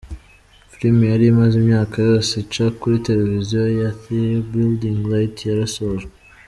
Film yari imaze imyaka yose ica kuri televiziyo, ya The Building Light yarasojwe.